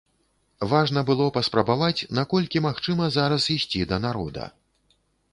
Важна было паспрабаваць, наколькі магчыма зараз ісці да народа.